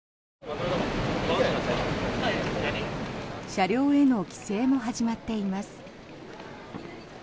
車両への規制も始まっています。